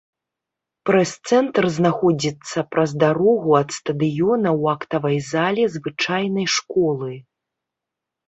Прэс-цэнтр знаходзіцца праз дарогу ад стадыёна ў актавай зале звычайнай школы.